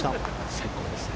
最高ですね。